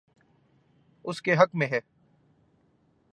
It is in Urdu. اس کے حق میں ہے۔